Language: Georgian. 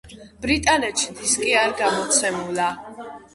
ბრიტანეთში დისკი არ გამოცემულა.